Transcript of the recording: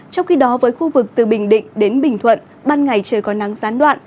trong khi đó với khu vực từ bình định đến bình thuận ban ngày trời có nắng gián đoạn